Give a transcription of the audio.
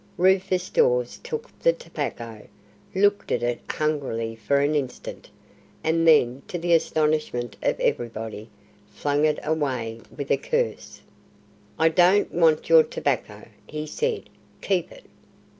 Rufus Dawes took the tobacco; looked at it hungrily for an instant, and then to the astonishment of everybody flung it away with a curse. "I don't want your tobacco," he said; "keep it."